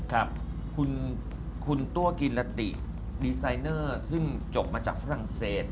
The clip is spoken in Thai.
ครับคุณตัวกิลาติดีไซเนอร์ซึ่งจบมาจากฝรั่งเศส